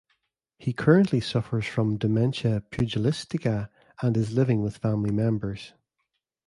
He currently suffers from dementia pugilistica, and is living with family members.